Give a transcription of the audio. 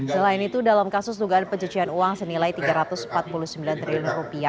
selain itu dalam kasus dugaan pencucian uang senilai rp tiga ratus empat puluh sembilan triliun